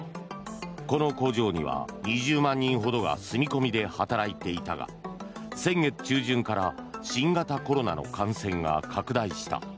この工場には２０万人ほどが住み込みで働いていたが先月中旬から新型コロナの感染が拡大した。